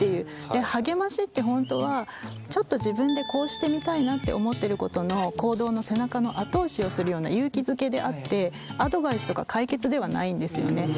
で励ましって本当はちょっと自分でこうしてみたいなって思ってることの行動の背中の後押しをするような勇気づけであってアドバイスとか解決ではないんですよね。